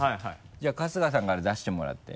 じゃあ春日さんから出してもらって。